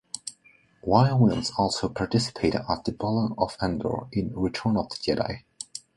Y-wings also participate at the Battle of Endor in "Return of the Jedi".